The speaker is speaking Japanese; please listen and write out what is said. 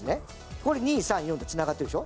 これ二三四ってつながってるでしょ。